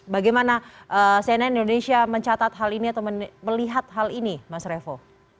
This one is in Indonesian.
bagaimana cnn indonesia mencatat hal ini atau melihat hal ini mas revo